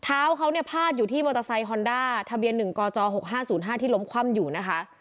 เท้าเขาเนี่ยพาดอยู่ที่มอเตอร์ไซค์ฮอนดาทะเบียนหนึ่งกอจอหกห้าศูนย์ห้าที่ล้มคว่ำอยู่นะคะ